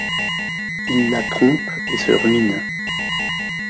Il la trompe et se ruine.